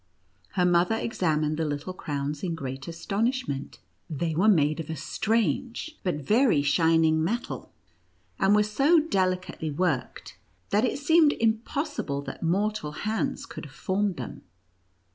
Her mother examined the little crowns in great astonish ment; they were made of a strange but very shining metal, and were so delicately worked, that it seemed impossible that mortal hands could have formed them.